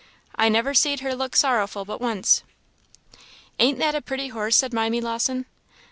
I never see her look sorrowful but once." "Ain't that a pretty horse?" said Mimy Lawson.